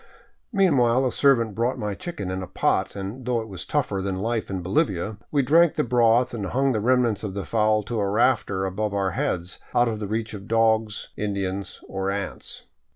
Meanwhile a servant brought my chicken in a pot, and though it was tougher than life in Bolivia, we drank the broth and hung the remnants of the fowl to a rafter above our heads, out of reach of dogs, Indians, or ants.